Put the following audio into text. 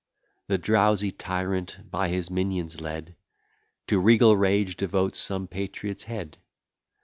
The drowsy tyrant, by his minions led, To regal rage devotes some patriot's head.